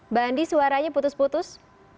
mbak andi suaranya putus putus